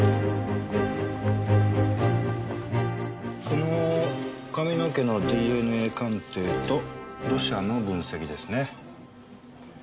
この髪の毛のＤＮＡ鑑定と土砂の分析ですね。